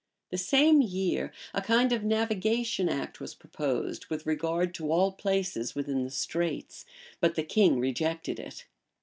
[] The same year a kind of navigation act was proposed with regard to all places within the Straits; but the king rejected it.